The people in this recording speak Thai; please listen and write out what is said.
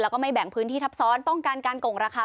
แล้วก็ไม่แบ่งพื้นที่ทับซ้อนป้องกันการกงราคา